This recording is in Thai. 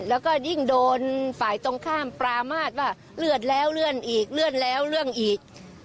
แล้วก็ยิ่งโดนฝ่ายตรงข้ามปรามาทว่าเลื่อนแล้วเลื่อนอีกเลื่อนแล้วเลื่อนอีก